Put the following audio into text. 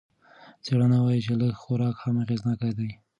څېړنه وايي چې لږ خوراک هم اغېزناکه دی.